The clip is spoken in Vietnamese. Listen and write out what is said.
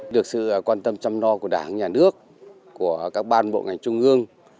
được sự quan tâm chăm lo của đảng nhà nước của các ban bộ ngành trung ương